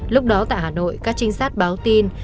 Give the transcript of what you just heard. lúc đó tại hà nội các trinh sát báo tin